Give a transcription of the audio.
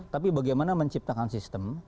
tapi bagaimana menciptakan sistem